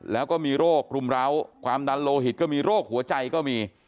แล้วก็มีโรครุมร้าวความดันโลหิตก็มีโรคหัวใจก็มี